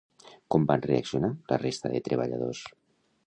Com van reaccionar la resta de treballadors?